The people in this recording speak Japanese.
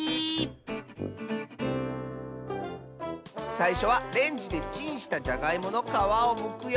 さいしょはレンジでチンしたじゃがいものかわをむくよ。